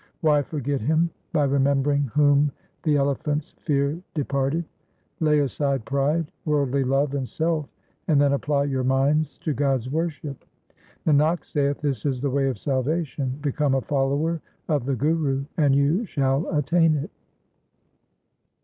Why forget Him, by remembering whom the elephant's fear departed ? Lay aside pride, worldly love, and self, and then apply your minds to God's worship. Nanak saith, this is the way of salvation ; become a fol lower of the Guru and you shall attain it.